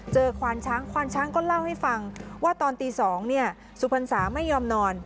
ควานช้างควานช้างก็เล่าให้ฟังว่าตอนตี๒สุพรรษาไม่ยอมนอน